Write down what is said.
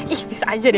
ih bisa aja deh